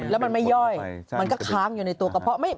แล้วมันไม่ย่อยมันก็ค้างอยู่ในตัวกระเพาะ